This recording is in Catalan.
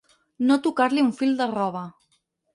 No tocar-li un fil de roba.